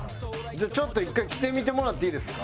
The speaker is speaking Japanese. じゃあちょっと１回着てみてもらっていいですか？